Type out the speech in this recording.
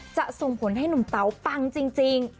ส่งผลให้หนุ่มเต๋าปังจริง